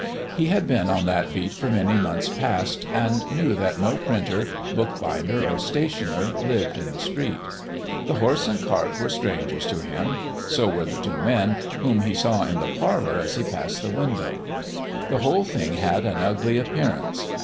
He had been on that beat for many months past, and knew that no printer, bookbinder, or stationer, lived in the street. The horse and cart were strangers to him; so were the two men whom he saw in the parlour as he passed the window. The whole thing had an ugly appearance.